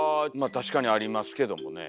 確かにありますけどもね。